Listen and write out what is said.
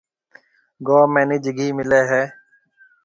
گوم ۾ نج گھِي ملي هيَ۔